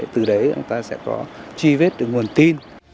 từ đấy chúng ta sẽ có truy vết được nguồn tin